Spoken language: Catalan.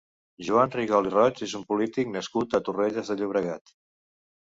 Joan Rigol i Roig és un polític nascut a Torrelles de Llobregat.